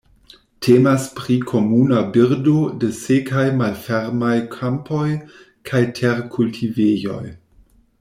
Temas pri komuna birdo de sekaj malfermaj kampoj kaj terkultivejoj.